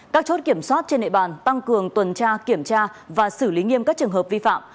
các chốt kiểm soát trên nệ bàn tăng cường tuần tra kiểm tra và xử lý nghiêm các trường hợp vi phạm